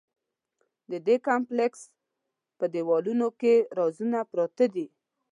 د دې کمپلېکس په دیوالونو کې رازونه پراته دي.